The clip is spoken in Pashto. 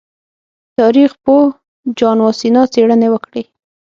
تاریخ پوه جان واسینا څېړنې وکړې.